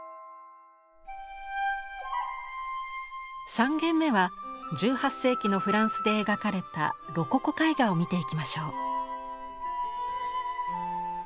３限目は１８世紀のフランスで描かれたロココ絵画を見ていきましょう。